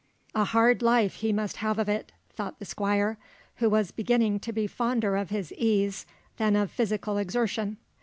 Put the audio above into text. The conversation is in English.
"A hard life he must have of it," thought the Squire, who was beginning to be fonder of his ease than of physical exertion.